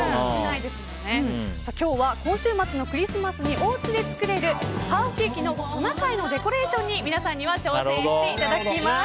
今日は今週末のクリスマスにおうちで作れるハーフケーキのトナカイのデコレーションに皆さんには挑戦していただきます。